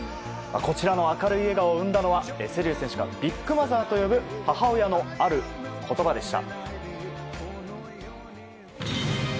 こちらの明るい笑顔を生んだのは瀬立選手がビッグマザーと呼ぶ母親のある言葉でした。